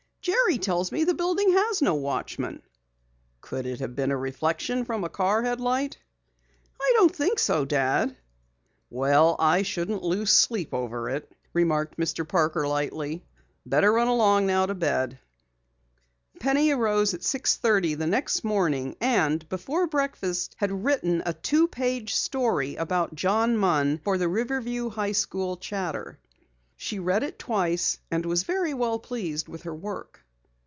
"Jerry tells me the building has no watchman." "Could it have been a reflection from a car headlight?" "I don't think so, Dad." "Well, I shouldn't lose sleep over it," remarked Mr. Parker lightly. "Better run along to bed now." Penny arose at six thirty the next morning, and before breakfast had written a two page story about John Munn for the Riverview High School Chatter. She read it twice and was very well pleased with her work.